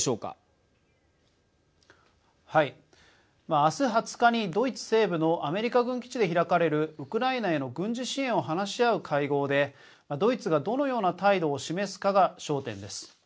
明日２０日にドイツ西部のアメリカ軍基地で開かれるウクライナへの軍事支援を話し合う会合でドイツがどのような態度を示すかが焦点です。